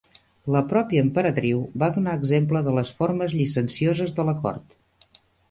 La pròpia Emperadriu va donar exemple de les formes llicencioses de la cort.